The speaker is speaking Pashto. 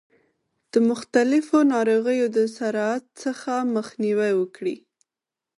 د مختلفو ناروغیو د سرایت څخه مخنیوی وکړي.